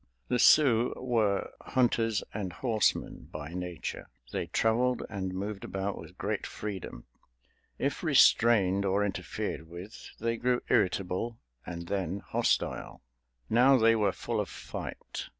The Sioux were hunters and horsemen by nature. They traveled and moved about with great freedom. If restrained or interfered with they grew irritable and then hostile. Now they were full of fight.